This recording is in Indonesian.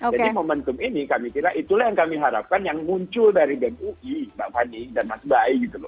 jadi momentum ini kami kira itulah yang kami harapkan yang muncul dari bem ui mbak fanny dan mas bae gitu loh